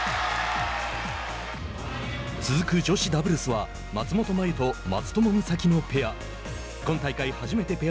続く女子ダブルスは松本麻佑と松友美佐紀のペア。